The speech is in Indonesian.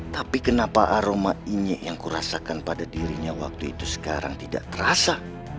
tapi kenapa aroma injek yang kurasakan pada dirinya waktu itu sekarang tidak terasa